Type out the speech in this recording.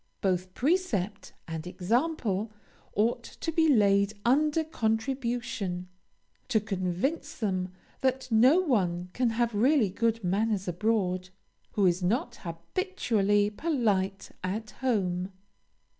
Both precept and example ought to be laid under contribution, to convince them that no one can have really good manners abroad, who is not habitually polite at home.